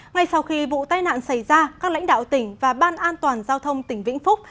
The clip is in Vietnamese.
ngay sau khi vụ tai nạn xảy ra các lãnh đạo tỉnh và ban an toàn giao thông tỉnh vĩnh phúc